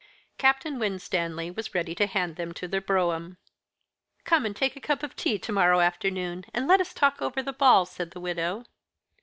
Captain Winstanley was ready to hand them to their brougham. "Come and take a cup of tea to morrow afternoon, and let as talk over the ball," said the widow.